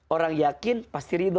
orang yakin pasti ridho